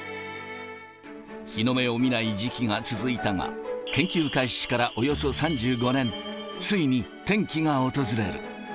日の目を見ない時期が続いたが、研究開始からおよそ３５年、ついに転機が訪れる。